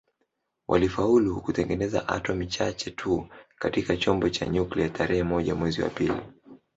Walifaulu kutengeneza atomi chache tu katika chombo cha nyuklia tarehe moja mwezi wa pili